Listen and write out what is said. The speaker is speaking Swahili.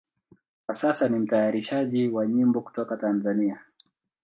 Kwa sasa ni mtayarishaji wa nyimbo kutoka Tanzania.